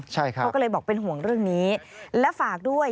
เขาก็เลยบอกเป็นห่วงเรื่องนี้และฝากด้วย